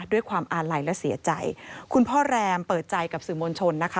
ด้วยความอาลัยและเสียใจคุณพ่อแรมเปิดใจกับสื่อมวลชนนะคะ